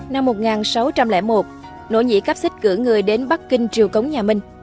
năm một nghìn sáu trăm linh một nỗ nhĩ cáp xích cử người đến bắc kinh triều cống nhà minh